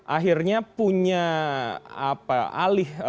akhirnya punya alih